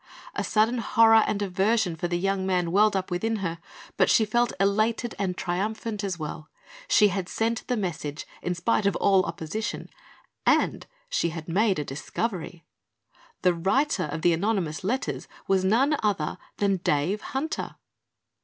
A sudden horror and aversion for the young man welled up within her, but she felt elated and triumphant, as well. She had sent the message in spite of all opposition and she had made a discovery! The writer of the anonymous letters was none other than Dave Hunter.